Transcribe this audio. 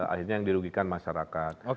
akhirnya yang dirugikan masyarakat